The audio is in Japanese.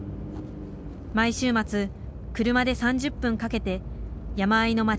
毎週末車で３０分かけて山あいの町